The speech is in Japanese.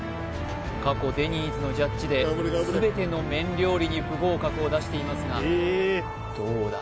過去デニーズのジャッジで全ての麺料理に不合格を出していますがどうだ？